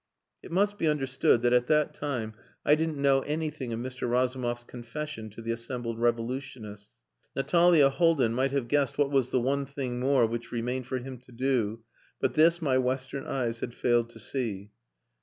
It must be understood that at that time I didn't know anything of Mr. Razumov's confession to the assembled revolutionists. Natalia Haldin might have guessed what was the "one thing more" which remained for him to do; but this my western eyes had failed to see.